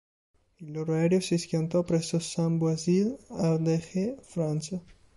Il loro aereo si schiantò presso Saint-Bauzile, Ardèche, Francia.